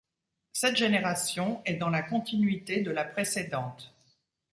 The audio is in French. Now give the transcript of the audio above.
Cette génération est dans la continuité de la précédente.